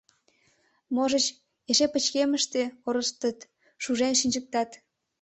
Можыч, эше пычкемыште орыштыт, шужен шинчыктат...